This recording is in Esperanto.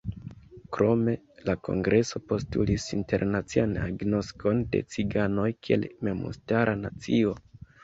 Krome la kongreso postulis internacian agnoskon de ciganoj kiel memstara nacio.